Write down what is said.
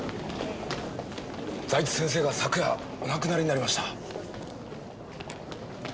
財津先生が昨夜お亡くなりになりました。